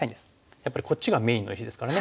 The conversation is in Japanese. やっぱりこっちがメインの石ですからね。